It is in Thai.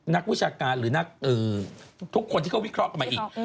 นักวิชาการหรือนักทุกคนที่เขาวิเคราะห์กันมาอีก